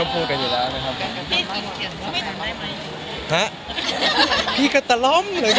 ผมไม่ได้หรือบอกว่าคนไม่ได้อยากจะระบุค่ะ